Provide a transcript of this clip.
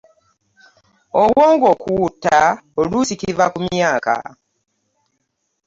Obwongo okuwutta oluusi kiva ku myaka.